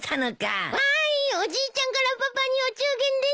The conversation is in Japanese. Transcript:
わーいおじいちゃんからパパにお中元です！